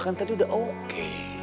kan tadi udah oke